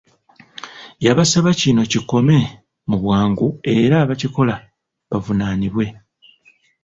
Yabasaba kino kikome mu bwangu era abakikola bavunaanibwe.